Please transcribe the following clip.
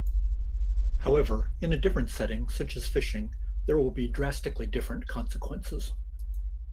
However, in a different setting, such as fishing, there will be drastically different consequences.